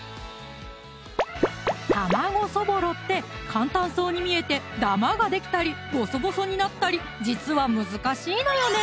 卵そぼろって簡単そうに見えてダマができたりぼそぼそになったり実は難しいのよね！